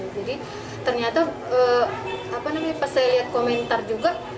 jadi ternyata pas saya lihat komentar juga